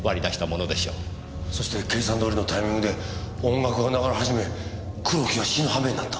そして計算どおりのタイミングで音楽が流れ始め黒木は死ぬはめになった。